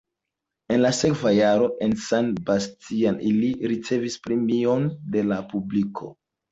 En la sekva jaro en San Sebastian ili ricevis premion de la publiko.